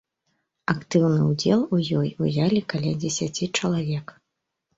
Актыўны ўдзел у ёй узялі каля дзесяці чалавек.